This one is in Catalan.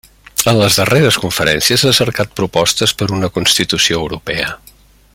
En els darreres conferències ha cercat propostes per a una Constitució Europea.